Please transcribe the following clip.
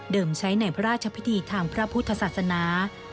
ใช้ในพระราชพิธีทางพระพุทธศาสนา